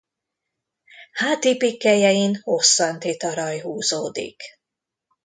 Háti pikkelyein hosszanti taraj húzódik.